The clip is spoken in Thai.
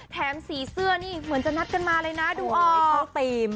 สีเสื้อนี่เหมือนจะนัดกันมาเลยนะดูออกทีม